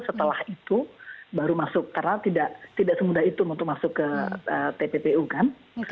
setelah itu baru masuk karena tidak semudah itu untuk masuk ke tppu kan